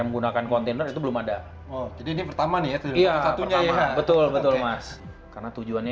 menggunakan kontainer itu belum ada oh jadi ini pertama nih ya satu nama betul betul mas karena tujuannya